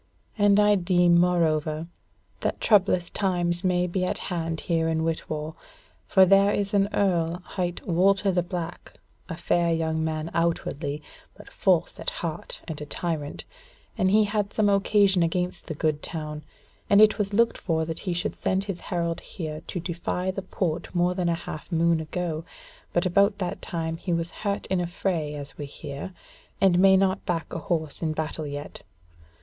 And I deem, moreover, that troublous times may be at hand here in Whitwall. For there is an Earl hight Walter the Black, a fair young man outwardly, but false at heart and a tyrant, and he had some occasion against the good town, and it was looked for that he should send his herald here to defy the Port more than a half moon ago; but about that time he was hurt in a fray as we hear, and may not back a horse in battle yet.